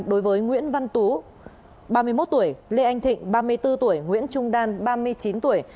đối với nguyễn văn tú ba mươi một tuổi lê anh thịnh ba mươi bốn tuổi nguyễn trung đan ba mươi chín tuổi